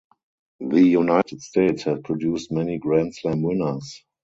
The United States has produced many grand slam winners.